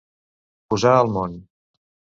Posar al món.